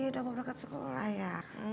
udah mau berangkat sekolah ya